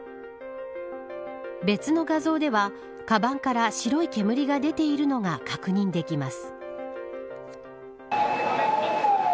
別の画像ではかばんから白い煙が出ているのが確認できます。